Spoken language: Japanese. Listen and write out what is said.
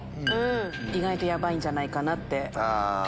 意外とヤバいんじゃないかなって。